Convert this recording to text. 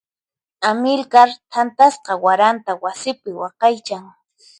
Amilcar thantasqa waranta wasipi waqaychan.